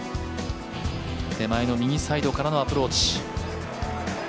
手前の右サイドからのアプローチ。